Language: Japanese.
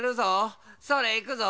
それいくぞ！